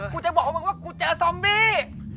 กูจะบอกมึงว่ากูเจอซอมบี้